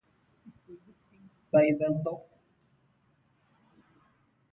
However, Jaworski did not always support Democratic candidates.